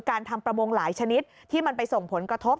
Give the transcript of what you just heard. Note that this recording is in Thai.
การทำประมงหลายชนิดที่มันไปส่งผลกระทบ